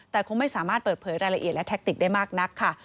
แต่คงไม่สามารถเปิดเผยรายละเอียดและแท็กติกได้มากนักค่ะ